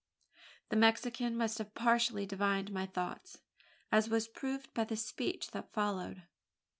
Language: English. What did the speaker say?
The Mexican must have partially divined my thoughts, as was proved by the speech that followed.